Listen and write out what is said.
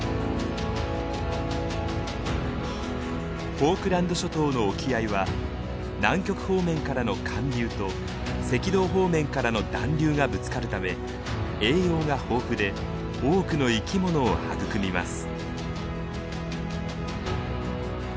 フォークランド諸島の沖合は南極方面からの寒流と赤道方面からの暖流がぶつかるため栄養が豊富で多くの生き物を育みます。